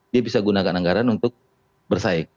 dia bisa gunakan anggaran untuk bersaing